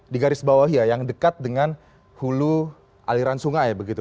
di garis bawah ya yang dekat dengan hulu aliran sungai begitu